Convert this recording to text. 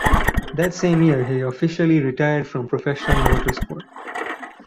That same year he officially retired from professional motorsport.